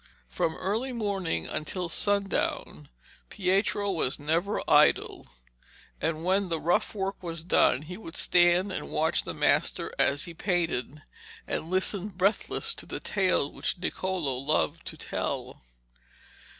From early morning until sundown Pietro was never idle, and when the rough work was done he would stand and watch the master as he painted, and listen breathless to the tales which Niccolo loved to tell.